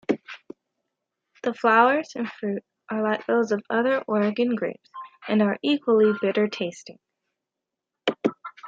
The flowers and fruit are like those of other Oregon-grapes, and are equally bitter-tasting.